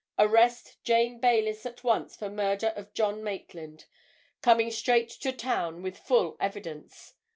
_ Arrest Jane Baylis at once for murder of John Maitland. _Coming straight to town with full evidence.